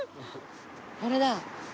これだ。